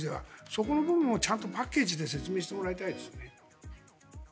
そこの部分をちゃんとパッケージで説明してもらいたいですね。